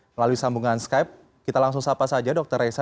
melalui sambungan skype kita langsung sapa saja dr reza